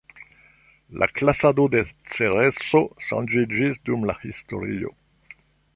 La klasado de Cereso ŝanĝiĝis dum la historio.